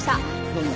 どうも。